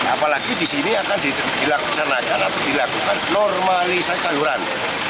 apalagi di sini akan dilakukan normalisasi saluran